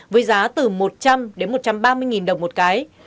với giá từ một trăm linh đến một trăm ba mươi đồng một cái